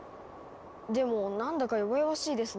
でも何だか弱々しいですね。